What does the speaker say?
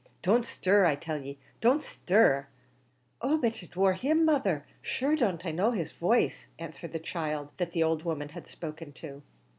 Don't stir I tell ye don't stir, avick!" "Oh! but it wor him, mother. Shure, don't I know his voice?" answered the child that the old woman had spoken to.